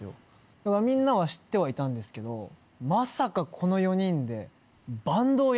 だからみんなは知ってはいたんですけどまさか。